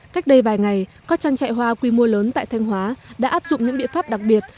cách đây vài ngày các trang trại hoa quy mô lớn tại thanh hóa đã áp dụng những biện pháp đặc biệt